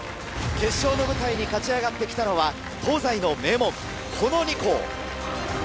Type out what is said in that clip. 決勝の舞台に勝ち上がって来たのは東西の名門この２校。